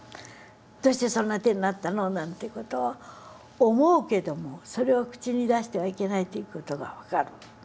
「どうしてそんな手になったの？」なんて事は思うけどもそれを口に出してはいけないという事が分かる。